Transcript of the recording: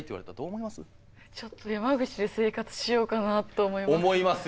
ちょっと山口で生活しようかなと思います。